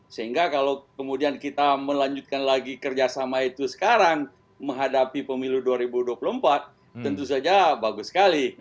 sehingga kalau kemudian kita melanjutkan lagi kerjasama itu sekarang menghadapi pemilu dua ribu dua puluh empat tentu saja bagus sekali